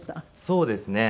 そうですね。